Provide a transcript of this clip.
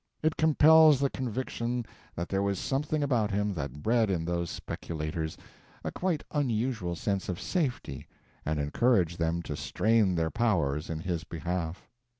It compels the conviction that there was something about him that bred in those speculators a quite unusual sense of safety, and encouraged them to strain their powers in his behalf.